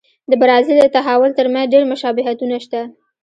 د برازیل د تحول ترمنځ ډېر مشابهتونه شته.